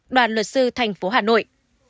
đoàn luật sư thành phố hà nội